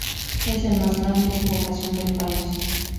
Es la más grande en población del país.